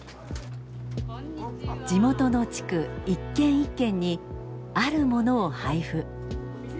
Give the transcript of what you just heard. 地元の地区一軒一軒にあるものを配布。